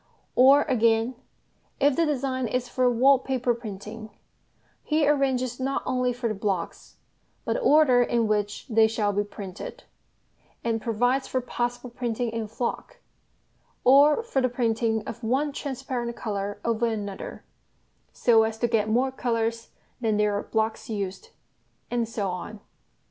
Or again, if the design is for wall paper printing, he arranges not only for the blocks, but the order in which they shall be printed; and provides for possible printing in "flock," or for the printing of one transparent colour over another, so as to get more colours than there are blocks used, and so on.